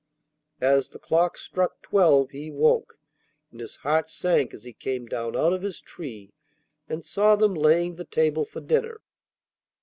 As the clock struck twelve he woke, and his heart sank as he came down out of his tree and saw them laying the table for dinner.